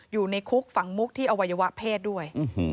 อยู่ในคุกฝังมุกที่อวัยวะเพศด้วย